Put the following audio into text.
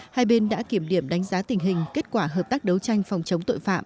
hai bên đã kiểm điểm đánh giá tình hình kết quả hợp tác đấu tranh phòng chống tội phạm